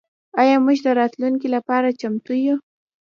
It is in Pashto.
آیا موږ د راتلونکي لپاره چمتو یو؟